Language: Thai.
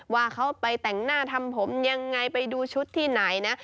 ว่าเขาไปแต่งหน้าทำผมยังไงไปดูชุดที่ไหนนะ